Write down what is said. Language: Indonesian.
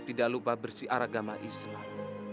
tidak lupa bersiar agama islam